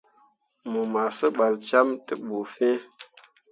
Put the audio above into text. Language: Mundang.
Mu ma sebal cemme te bu fin.